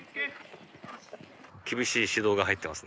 厳しい指導が入ってますね。